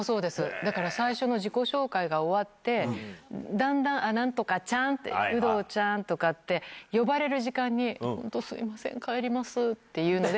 だから最初の自己紹介が終わって、だんだん、あっ、なんとかちゃん、有働ちゃんとかって呼ばれる時間に、ほんとすみません、帰りますっていうので。